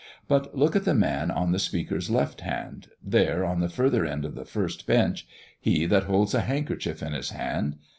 But look at the man on the Speaker's left hand there! on the further end of the first bench he that holds a handkerchief in his hand.